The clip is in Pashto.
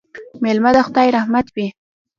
مېلمه د خدای رحمت وي